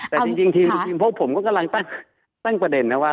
แต่จริงทีมพวกผมก็กำลังตั้งประเด็นนะว่า